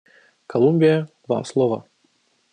Колумбия, вам слово.